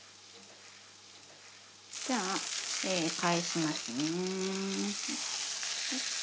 じゃあ返しますね。